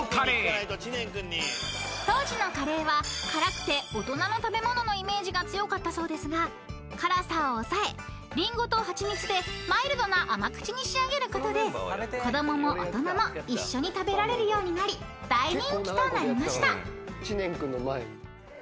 ［当時のカレーは辛くて大人の食べ物のイメージが強かったそうですが辛さを抑えりんごとハチミツでマイルドな甘口に仕上げることで子供も大人も一緒に食べられるようになり大人気となりました］